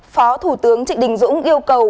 phó thủ tướng trịnh đình dũng yêu cầu